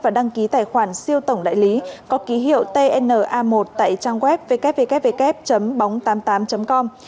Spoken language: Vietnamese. và đăng ký tài khoản siêu tổng đại lý có ký hiệu tna một tại trang web www tám mươi tám com